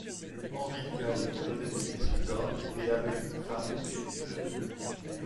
Henry Gale venait du Minnesota et avait une femme, Jennifer.